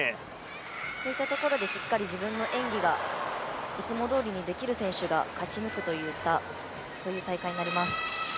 そういったところでしっかり自分の演技がいつもどおりにできる選手が勝ち抜くといったそういう大会になります。